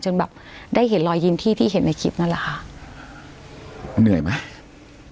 แบบได้เห็นรอยยิ้มที่ที่เห็นในคลิปนั่นแหละค่ะมันเหนื่อยไหม